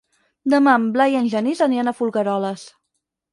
Demà en Blai i en Genís aniran a Folgueroles.